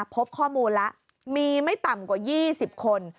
พบข้อมูลแล้วมีไม่ต่ำกว่า๒๐คน